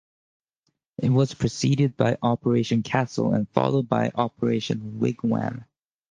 It was preceded by "Operation Castle", and followed by "Operation Wigwam".